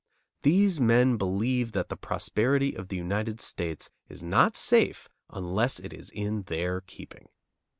These men believe that the prosperity of the United States is not safe unless it is in their keeping.